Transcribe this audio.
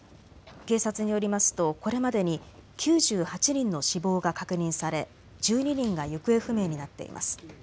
警察によりますと、これまでに９８人の死亡が確認され１２人が行方不明になっています。